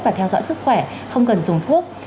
và theo dõi sức khỏe không cần dùng thuốc